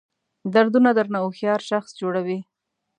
دردونه درنه هوښیار شخص جوړوي.